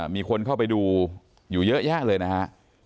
มีคนเข้าไปดูอยู่เยอะแยะเลยนะฮะ